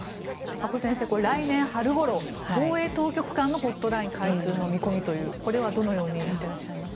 阿古先生、来年春ごろ防衛当局間のホットライン開通の見込みというこれはどのように見ていますか？